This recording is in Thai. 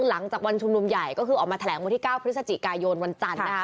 หลังจากวันชุมนุมใหญ่ก็คือออกมาแถลงวันที่๙พศกววจ